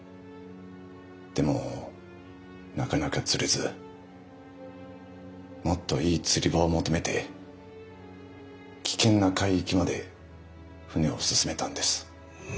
でもなかなか釣れずもっといい釣り場を求めて危険な海域まで船を進めたんです。